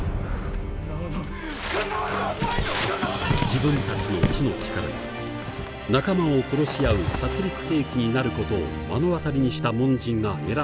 自分たちの知の力が仲間を殺し合う殺りく兵器になることを目の当たりにした門人が選んだ道